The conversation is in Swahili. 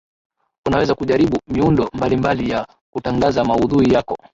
unaweza kujaribu miundo mbalimbali ya kutangaza maudhui yako